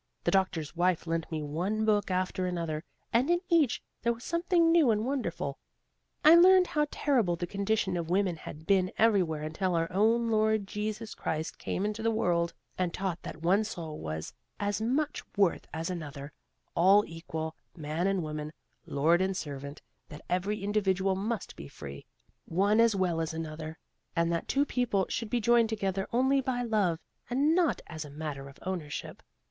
The doctor's wife lent me one book after another, and in each there was something new and wonderful. I learned how terrible the condition of women had been everywhere until our own Lord Jesus Christ came into the world, and taught that one soul was as much worth as another, all equal, man and woman, lord and servant; that every individual must be free, one as well as another; and that two people should be joined together only by love, and not as a matter of ownership.